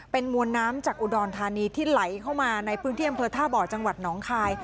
เป็นมวลน้ำจากอุดรธานีที่ไหลเข้ามาในพื้นที่อำเภอท่าบ่อจังหวัดหนองคาย